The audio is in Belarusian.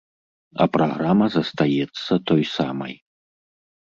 А праграма застаецца той самай.